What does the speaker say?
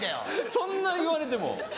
そんな言われても。